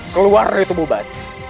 keluar dari tubuh bas